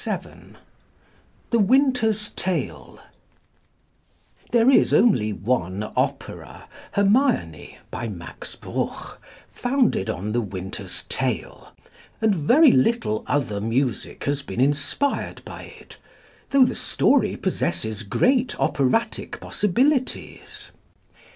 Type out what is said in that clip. THE WINTER'S TALE There is only one opera, Hermione, by +Max Bruch+, founded on The Winter's Tale, and very little other music has been inspired by it, though the story possesses great operatic possibilities.